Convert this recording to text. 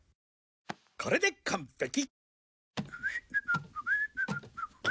これで完璧。